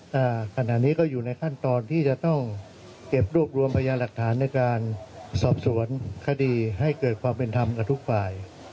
แต่ขณะนี้ก็อยู่ในขั้นตอนที่จะต้องเก็บรวบรวมพยานหลักฐานในการสอบสวนคดีให้เกิดความเป็นธรรมกับทุกฝ่าย